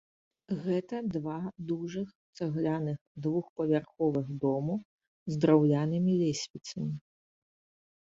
Гэта два дужых цагляных двухпавярховых дому з драўлянымі лесвіцамі.